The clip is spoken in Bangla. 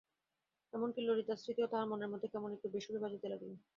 এমন-কি, ললিতার স্মৃতিও তাহার মনের মধ্যে কেমন একটু বেসুরে বাজিতে লাগিল।